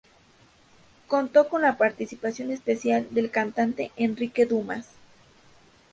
Contó con la participación especial del cantante Enrique Dumas.